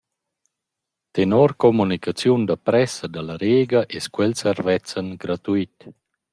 Tenor la communicaziun da pressa da la Rega es quel servezzan gratuit.